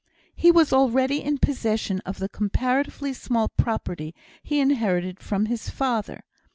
He was already in possession of the comparatively small property he inherited from his father.